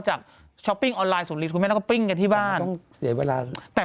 จากชอปปิ้งออนไลน์สวนลิศแล้วก็ปิ้งที่บ้านต้องเสียเวลาแต่